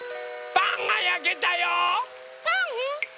・パンがやけたよ！